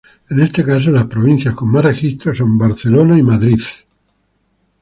En este caso las provincias con más registros son Barcelona y Madrid.